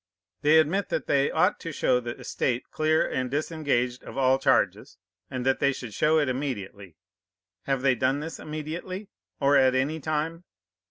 They admit that they ought to show the estate clear and disengaged of all charges, and that they should show it immediately. Have they done this immediately, or at any time?